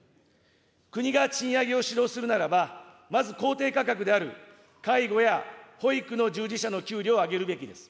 国が賃上げを主導するならば、まず公定価格である介護や保育の従事者の給与を上げるべきです。